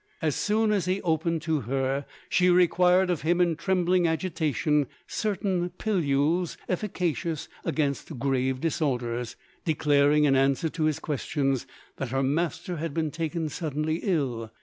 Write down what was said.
As soon as he opened to her she required of him in trembling agitation certain pillules efficacious against grave disorders, declaring in answer to his questions that her master had been taken suddenly ill.